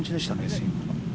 スイングが。